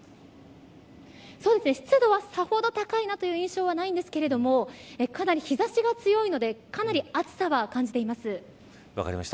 湿度は、さほど高いなという印象はないんですけれどもかなり、日差しが強いのでかなり暑さは感じています。